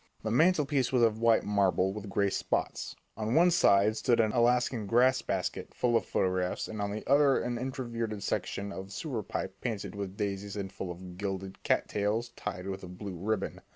The mantelpiece was of white marble with gray spots; on one side of it stood an Alaskan "grass basket" full of photographs, and on the other an inverted section of a sewer pipe painted with daisies and full of gilded cat tails tied with a blue ribbon.